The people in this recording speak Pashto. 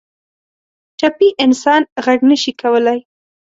ټپي انسان غږ نه شي کولی.